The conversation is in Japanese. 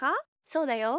そうだよ。